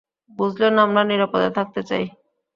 বুঝলেন আমরা নিরাপদে থাকতে চাই।